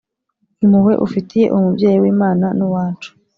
impuhwe ufitiye uwo mubyeyi w’imana n’uwacu